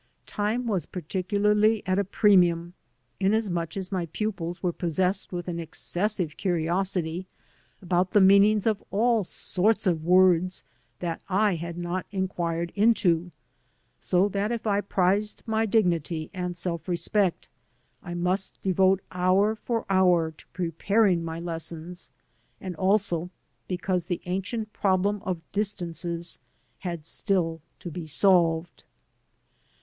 Time was particularly at a premium, inasmuch as my pupils were possessed with an excessive curiosity about the meanings of all sorts of words that I had not inquired into, so that if I prized my dignity and self respect I must devote hour for hour to preparing my lessons; and also because the ancient problem of distances had still to be solved.